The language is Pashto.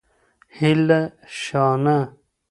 هیلهشانه